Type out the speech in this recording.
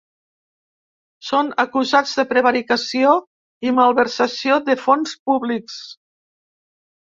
Són acusats de prevaricació i malversació de fons públics.